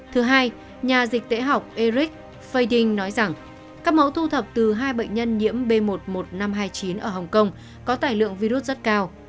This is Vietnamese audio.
thứ hai nhà dịch tễ học eric fading nói rằng các mẫu thu thập từ hai bệnh nhân nhiễm b một mươi một nghìn năm trăm hai mươi chín ở hồng kông có tài lượng virus rất cao